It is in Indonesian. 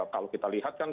kalau kita lihat kan